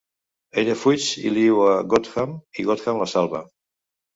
Ella fuig i li diu a Gautham i Gautham la salva.